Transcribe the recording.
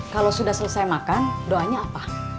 kalau sudah selesai makan doanya apa